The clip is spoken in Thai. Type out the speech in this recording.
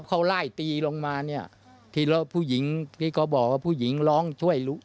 เขาไล่ตีลงมาเนี่ยทีแล้วผู้หญิงที่เขาบอกว่าผู้หญิงร้องช่วย